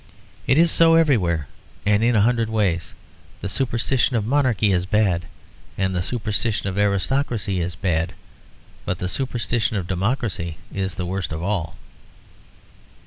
It is so everywhere, and in a hundred ways. The superstition of monarchy is bad, and the superstition of aristocracy is bad, but the superstition of democracy is the worst of all."